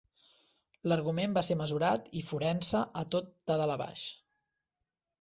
L'argument va ser mesurat i forense a tot de dalt a baix.